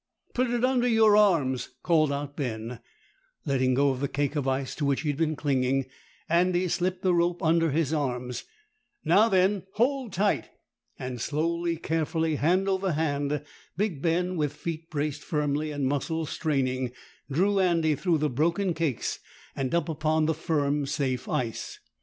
"Put it under your arms," called out Ben. Letting go the cake of ice to which he had been clinging, Andy slipped the rope under his arms. "Now, then, hold tight." And slowly, carefully, hand over hand, big Ben, with feet braced firmly and muscles straining, drew Andy through the broken cakes and up upon the firm safe ice.